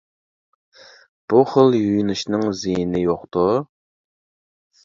بۇ خىل يۇيۇنۇشنىڭ زىيىنى يوقتۇ؟ !